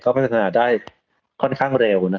พัฒนาได้ค่อนข้างเร็ว